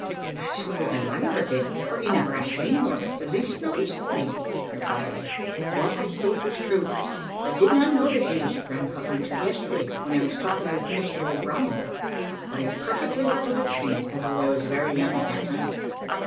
"That's more than ever I did, for he never asked me, nor took the least notice of me," replied I. "What I state is true. I did not know that he was your grandfather until yesterday, when I was talking with Mr O'Brien; but I perfectly recollect him, although I was very young at that time.